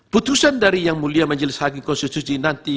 putusan dari yang mulia